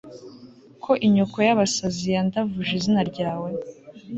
ko inyoko y'abasazi yandavuje izina ryawe